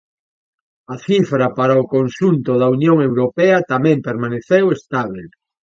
A cifra para o conxunto da Unión Europea tamén permaneceu estábel.